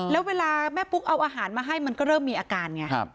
แล้วเวลาแม่ปุ๊กเอาอาหารมาให้มันก็เริ่มมีอาการไง